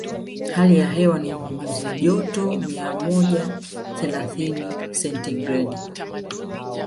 Hali ya hewa ni nyuzi joto mia moja thelathini sentigredi